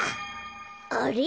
あれ？